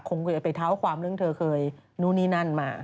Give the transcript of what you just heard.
เคยไปเท้าความเรื่องเธอเคยนู่นนี่นั่นมา